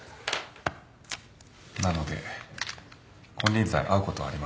なので金輪際会うことはありません。